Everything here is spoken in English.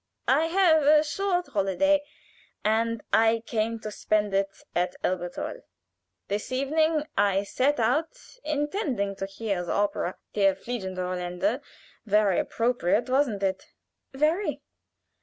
I have a short holiday, and I came to spend it at Elberthal. This evening I set out, intending to hear the opera 'Der Fliegende Holländer' very appropriate, wasn't it?" "Very."